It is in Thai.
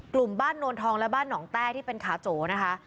กลุ่มบ้านนวลทองและบ้านหนองแต้ที่เป็นขาโจนะคะ